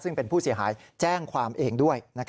ซึ่งเป็นผู้เสียหายแจ้งความเองด้วย